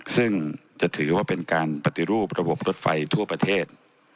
ซึ่งจะถือว่าเป็นการปฏิรูประบบรถไฟทั่วประเทศ